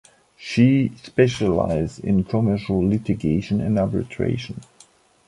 She specialize in commercial litigation and arbitration.